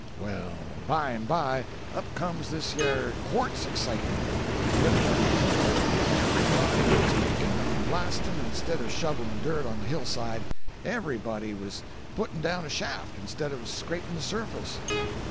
"Well, bye an' bye, up comes this yer quartz excitement. Every body was into it—every body was pick'n' 'n' blast'n' instead of shovelin' dirt on the hill side—every body was put'n' down a shaft instead of scrapin' the surface.